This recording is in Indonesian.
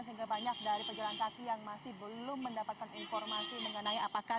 sehingga banyak dari pejalan kaki yang masih belum mendapatkan informasi mengenai apakah